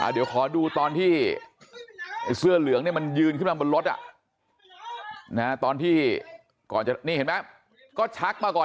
เดี๋ยวขอดูตอนที่เสื้อเหลืองเนี่ยมันยืนขึ้นมาบนรถตอนที่ก่อนจะนี่เห็นไหมก็ชักมาก่อน